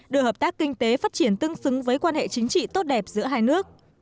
đưa hợp tác kinh tế phát triển tương xứng với quan hệ chính trị tốt đẹp giữa hai nước